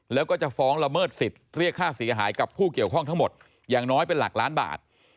แล้วก็จะฟ้องละเมิดสิทธิ์เรียกค่าเสียหายกับผู้เกี่ยวข้องทั้งหมดอย่างน้อยเป็นหลักล้านบาท